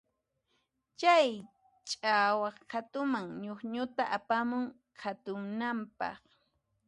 Chay ch'awaq qhatuman ñukñuta apamun qhatunanpaq.